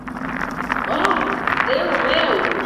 Oh, Déu meu!